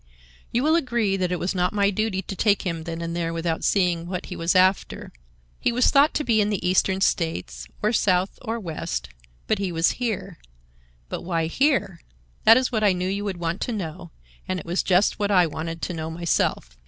"You will agree that it was not my duty to take him then and there without seeing what he was after. He was thought to be in the eastern states, or south or west, and he was here; but why here? That is what I knew you would want to know, and it was just what I wanted to know myself.